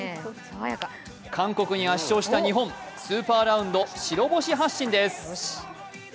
韓国に圧勝した日本、スーパーラウンド白星発進です。